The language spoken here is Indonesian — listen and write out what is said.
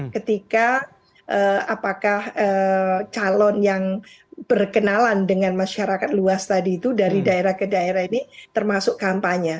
ketika apakah calon yang berkenalan dengan masyarakat luas tadi itu dari daerah ke daerah ini termasuk kampanye